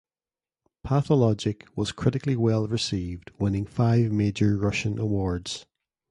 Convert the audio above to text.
"Pathologic" was critically well received, winning five major Russian awards.